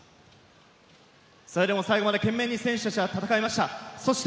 それでも最後まで懸命に選手たちは戦いました。